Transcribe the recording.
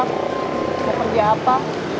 mau kerja apa